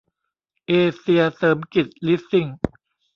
เอเซียเสริมกิจลีสซิ่ง